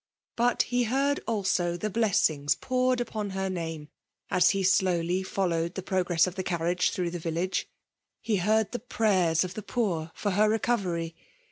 But he heard ako the blessings poured upon her name as he slowly followed the progress of the cariiage through the village. He heard the prayers of the poor for her recovery.